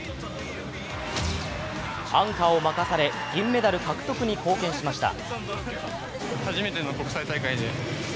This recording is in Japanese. アンカーを任され銀メダル獲得に貢献しました。